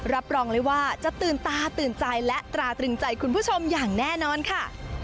รับรองเลยว่าจะตื่นตาตื่นใจและตราตรึงใจคุณผู้ชมอย่างแน่นอนค่ะ